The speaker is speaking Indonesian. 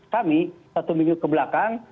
kami satu minggu kebelakang